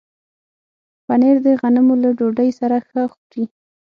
پنېر د غنمو له ډوډۍ سره ښه خوري.